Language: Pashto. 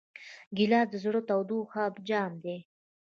ګیلاس د زړه د تودوخې جام دی.